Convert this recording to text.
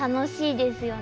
ですよね。